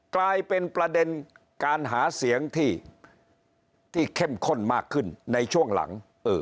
กลายเป็นประเด็นการหาเสียงที่เข้มข้นมากขึ้นในช่วงหลัง